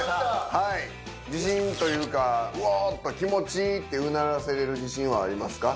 はい自信というかうおっと気持ちいいってうならせれる自信はありますか？